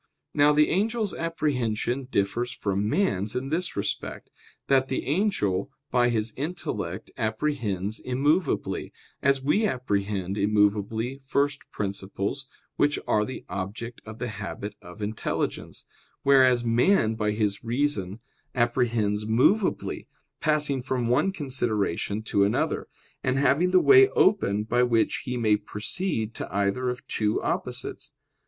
Now the angel's apprehension differs from man's in this respect, that the angel by his intellect apprehends immovably, as we apprehend immovably first principles which are the object of the habit of "intelligence"; whereas man by his reason apprehends movably, passing from one consideration to another; and having the way open by which he may proceed to either of two opposites.